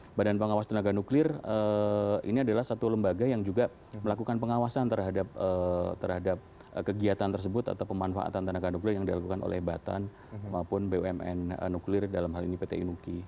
dan tentunya badan pengawas tenaga nuklir ini adalah satu lembaga yang juga melakukan pengawasan terhadap kegiatan tersebut atau pemanfaatan tenaga nuklir yang dilakukan oleh batan maupun bumn nuklir dalam hal ini pt unuki